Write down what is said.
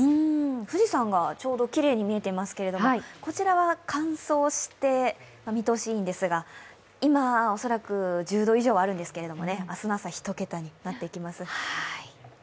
富士山がちょうどきれいに見えていますけれども、こちらは乾燥して見通しがいいんですが今、恐らく１０度以上はあるんですけれども、明日の朝、１桁になっていきます。